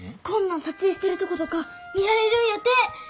こんなん撮影してるとことか見られるんやて！